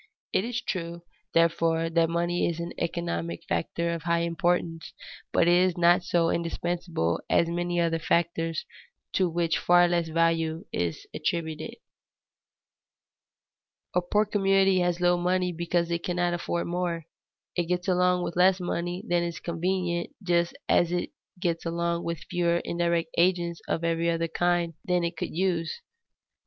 It is true, therefore, that money is an economic factor of high importance, but it is not so indispensable as many other factors to which far less value is attributed. [Sidenote: Why a poor community lacks money] A poor community has little money because it cannot afford more; it gets along with less money than is convenient just as it gets along with fewer indirect agents of every other kind than it could use.